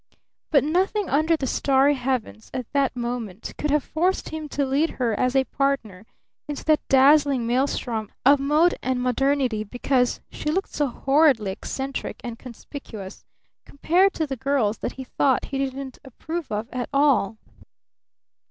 But nothing under the starry heavens at that moment could have forced him to lead her as a partner into that dazzling maelstrom of Mode and Modernity, because she looked "so horridly eccentric and conspicuous" compared to the girls that he thought he didn't approve of at all!